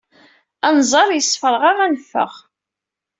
Anẓar yessefreɣ-aɣ ad neffeɣ.